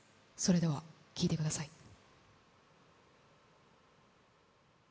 それでは聴いてください。